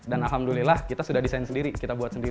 alhamdulillah kita sudah desain sendiri